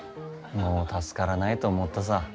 もう助からないと思ったさ。